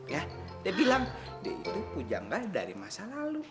ya dia bilang dia itu janggal dari masa lalu